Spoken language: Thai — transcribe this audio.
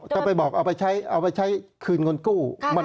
จะไปบอกเอาไปใช้คืนเงินกู้